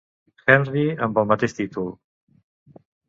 Henry amb el mateix títol.